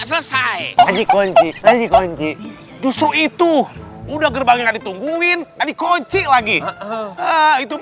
selesai lagi kunci kunci justru itu udah gerbangnya ditungguin tadi kunci lagi itu